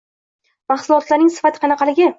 mahsulotlarining sifati qanaqaligi.